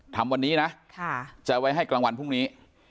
ทำวันนี้นะจะไว้ให้กลางวันพรุ่งนี้